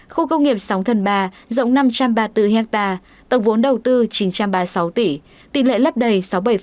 khu công nghiệp sóng thần ba rộng năm trăm ba mươi bốn hectare tổng vốn đầu tư chín trăm ba mươi sáu tỷ tỷ lệ lấp đầy sáu mươi bảy